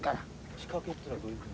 仕掛けっていうのはどういうふうな？